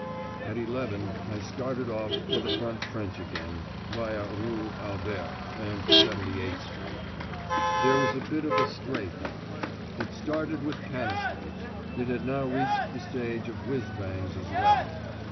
At eleven I started off for the front trench again, viâ Rue Albert and 78 Street. There was a bit of a "strafe" on. It started with canisters; it had now reached the stage of whizz bangs as well.